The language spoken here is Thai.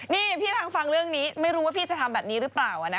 นี่พี่ทางฟังเรื่องนี้ไม่รู้ว่าพี่จะทำแบบนี้หรือเปล่า